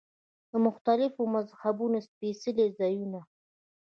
د مختلفو مذهبونو سپېڅلي ځایونه.